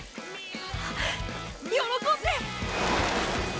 あ喜んで！